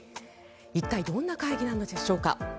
一体どんな会議なのでしょうか。